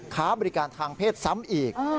ค้าบริการทางเพศซ้ำอีก